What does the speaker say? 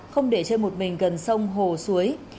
không để chơi một mình gần sông hồ suối